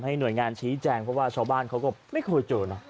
หน่วยงานชี้แจงเพราะว่าชาวบ้านเขาก็ไม่เคยเจอนะ